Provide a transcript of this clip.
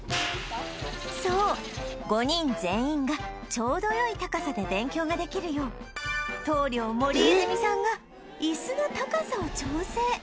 そう５人全員がちょうど良い高さで勉強ができるよう棟梁森泉さんが椅子の高さを調整